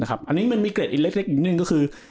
อันนี้มันมีเกร็ดอีกเล็กอีกนิดนึงก็คือ